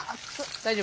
大丈夫？